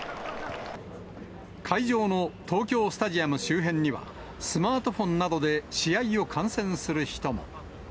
会場の東京スタジアム周辺には、スマートフォンなどで試合を観戦する人も。